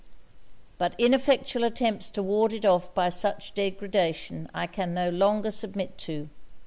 But ineffectual attempts to ward it off by such degradation I can no longer submit to.